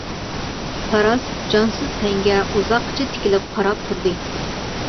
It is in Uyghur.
تاراس جانسىز تەنگە ئۇزاققىچە تىكىلىپ قاراپ تۇردى.